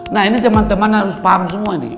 nah ini teman teman harus paham semua ini